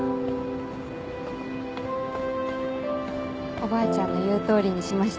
おばあちゃんの言うとおりにしましたね。